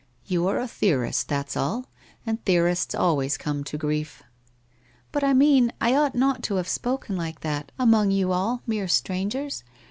'You are a theorist, that's all. And theorists always come to grief.' ' But I mean, I ought not to have spoken like that, among you all, mere strangers.